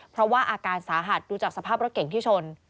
เพราะว่าอาการสาหัสดูจากสภาพรถเก่งที่ชน